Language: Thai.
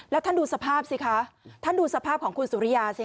แล้วท่านดูสภาพสิคะท่านดูสภาพของคุณสุริยาสิ